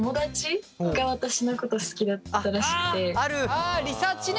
あリサーチね。